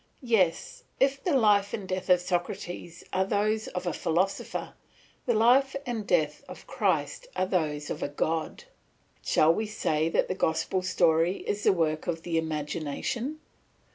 Yes, if the life and death of Socrates are those of a philosopher, the life and death of Christ are those of a God. Shall we say that the gospel story is the work of the imagination?